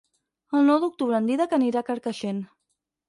El nou d'octubre en Dídac anirà a Carcaixent.